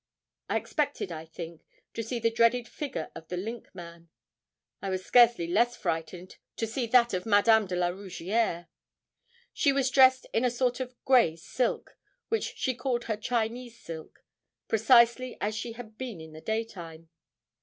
I expected, I think, to see the dreaded figure of the linkman. I was scarcely less frightened to see that of Madame de la Rougierre. She was dressed in a sort of grey silk, which she called her Chinese silk precisely as she had been in the daytime.